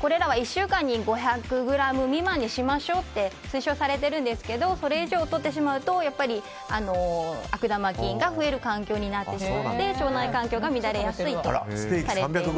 これらは１週間に５００ｇ未満にしましょうと推奨されているんですがそれ以上とってしまうと悪玉菌が増える環境になってしまうので腸内環境が乱れやすいとされています。